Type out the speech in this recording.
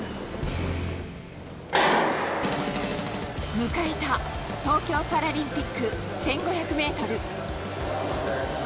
迎えた東京パラリンピック１５００ｍ。